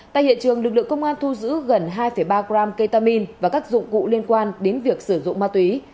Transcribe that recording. tại hiện trường lực lượng công an thu giữ gần hai ba gram ketamin và các dụng cụ liên quan đến việc sử dụng ma túy